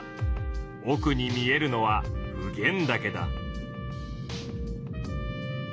おくに見えるのは普賢岳だ。